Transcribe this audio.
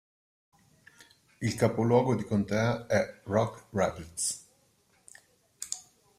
Il capoluogo di contea è Rock Rapids.